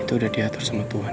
itu udah diatur sama tuhan